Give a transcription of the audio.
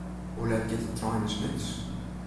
Hoe let giet de trein nei Snits?